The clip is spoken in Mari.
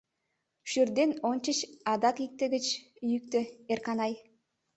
Шӱрден ончыч адак икте гыч йӱктӧ, Эрканай.